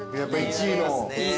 １位の。